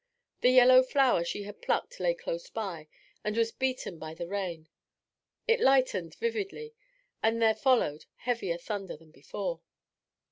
The yellow flower she had plucked lay close by, and was beaten by the rain. It lightened vividly, and there followed heavier thunder than before.